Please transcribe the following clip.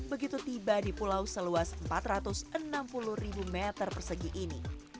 begitu tiba di pulau seluas empat ratus enam puluh ribu meter persegi ini